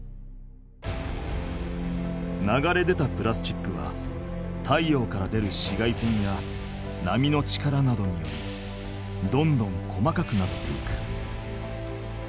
流れ出たプラスチックは太陽から出る紫外線や波の力などによりどんどん細かくなっていく。